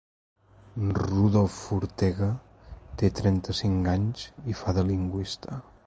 Rudolf Ortega té trenta-cinc anys i fa de lingüista.